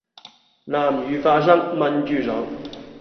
南乳花生炆豬手